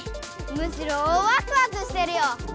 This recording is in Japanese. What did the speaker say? むしろワクワクしてるよ。